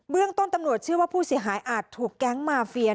เรื่องต้นตำรวจเชื่อว่าผู้เสียหายอาจถูกแก๊งมาเฟีย